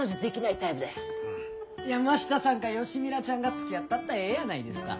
山下さんか吉ミラちゃんがつきあったったらええやないですか。